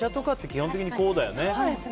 基本的にこうだよね。